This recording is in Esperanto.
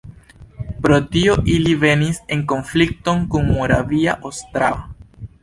Pro tio ili venis en konflikton kun Moravia Ostrava.